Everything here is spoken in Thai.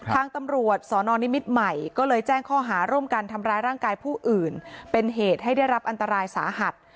ทางตำรวจสนนิมิตรใหม่ก็เลยแจ้งข้อหาร่วมกันทำร้ายร่างกายผู้อื่นเป็นเหตุให้ได้รับอันตรายสาหัส